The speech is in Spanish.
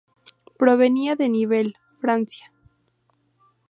Provenía de Nivelle, Francia.